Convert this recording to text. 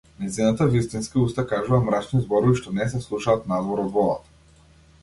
Нејзината вистинска уста кажува мрачни зборови што не се слушаат надвор од водата.